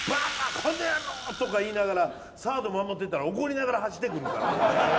このヤロー！！」とか言いながらサード守ってたら怒りながら走ってくるから。